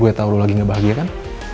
gue tau lo lagi gak bahagia kan